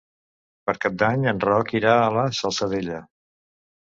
Per Cap d'Any en Roc irà a la Salzadella.